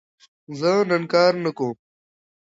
زه نن کار نه کوم.